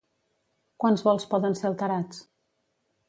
Quants vols poden ser alterats?